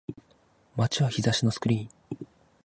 街は日差しのスクリーン